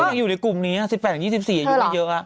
ยังอยู่ในกลุ่มนี้๑๘๒๔อายุก็เยอะ